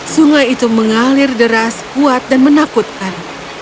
sungai itu mengalir deras kuat dan menakutkan